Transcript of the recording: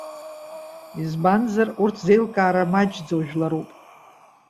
Избанзар, урҭ зеилкаара маҷӡоу жәларуп.